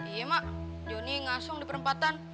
iya mak jonny ngasong di perempatan